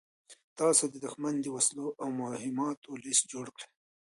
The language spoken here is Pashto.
تاسو د دښمن د وسلو او مهماتو لېست جوړ کړئ.